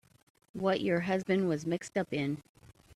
What your husband was mixed up in.